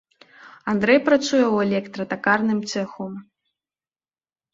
Андрэй працуе ў электра-такарным цэху.